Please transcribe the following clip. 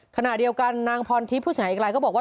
ขณะเดียวกันนางพรทิพย์ผู้เสียหายอีกรายก็บอกว่า